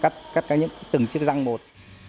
cắt cái những từng chiếc răng một